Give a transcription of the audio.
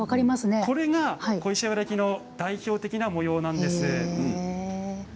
これが小石原焼の代表的な模様なんです。